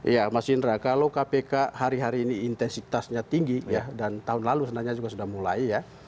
ya mas indra kalau kpk hari hari ini intensitasnya tinggi ya dan tahun lalu sebenarnya juga sudah mulai ya